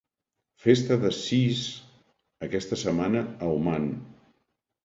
Festa de sis aquesta setmana a Oman